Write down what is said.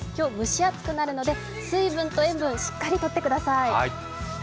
今日、蒸し暑くなるので水分と塩分しっかりとってください。